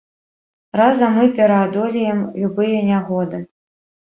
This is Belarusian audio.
Разам мы пераадолеем любыя нягоды!